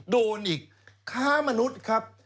โดนอีกค้ามนุษย์ครับ